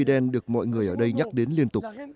đen được mọi người ở đây nhắc đến liên tục